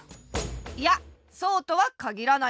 いやそうとはかぎらない。